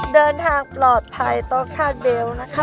เดินทางปลอดภัยต้องข้าเบลนะคะ